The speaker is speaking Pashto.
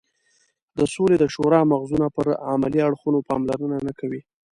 د سولې د شورا مغزونه پر عملي اړخونو پاملرنه نه کوي.